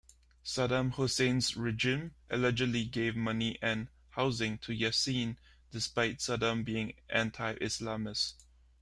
Saddam Hussein's regime allegedly gave money and housing to Yasin, despite Saddam being anti-Islamist.